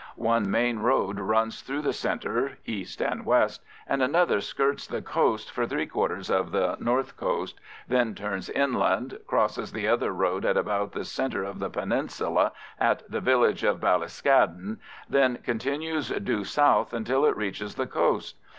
One main road runs through the centre, east and west, and another skirts the coast for three quarters of the north coast, then turns inland, crosses the other road at about the centre of the peninsula at the village of Ballyscadden, then continues due south until it reaches the coast.